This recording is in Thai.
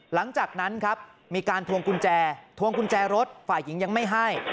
หลังจากนั้นครับมีการทวงกุญแจทวงกุญแจรถฝ่ายหญิงยังไม่ให้